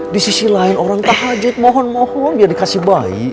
di sisi lain orang tahajud mohon mohon ya dikasih bayi